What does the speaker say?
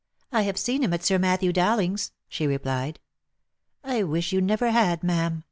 " I have seen him at Sir Matthew Dowlingfs," she replied. " I wish you never had, ma'am